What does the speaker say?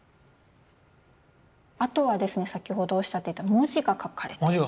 あとはですね先ほどおっしゃっていた文字が書かれて。